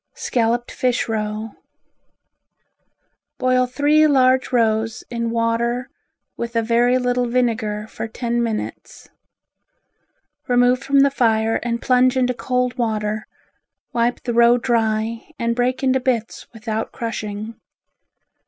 Scalloped Fish Roe Boil three large roes in water with, a very little vinegar for ten minutes. Remove from the fire and plunge into cold water, wipe the roe dry and break into bits without crushing.